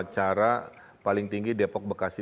cara paling tinggi depok bekasi